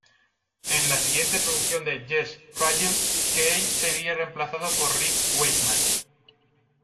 En la siguiente producción de Yes, Fragile, Kaye sería reemplazado por Rick Wakeman.